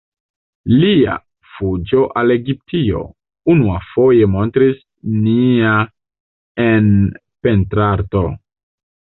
Lia "Fuĝo al Egiptio" unuafoje montris nia en pentrarto.